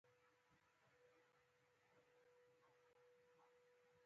د پښتو شعر ډېر خوږ او مانیز دی.